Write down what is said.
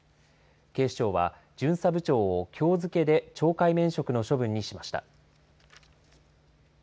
警視庁は巡査部長をきょう付けで懲戒免職の処分にしました。